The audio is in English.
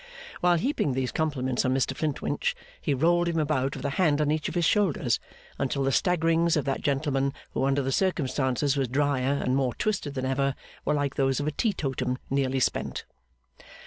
While heaping these compliments on Mr Flintwinch, he rolled him about with a hand on each of his shoulders, until the staggerings of that gentleman, who under the circumstances was dryer and more twisted than ever, were like those of a teetotum nearly spent.